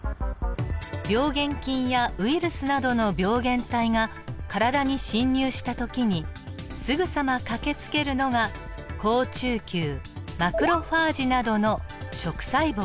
病原菌やウイルスなどの病原体が体に侵入した時にすぐさま駆けつけるのが好中球マクロファージなどの食細胞です。